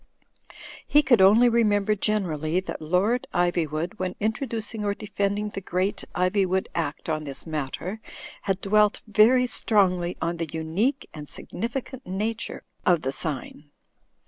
He could only remem ber generally that Lord Ivywood, when introducing or defending the great Ivywood Act on this matter, had dwelt very strongly on the unique and significant nature of the sign.